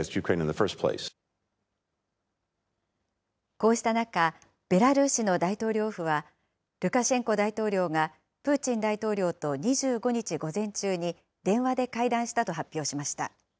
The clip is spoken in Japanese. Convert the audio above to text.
こうした中、ベラルーシの大統領府は、ルカシェンコ大統領がプーチン大統領と、２５日午前中に電話で会談したと発表しました。